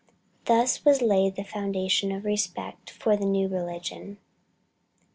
Thus was laid the foundation of respect for the new religion.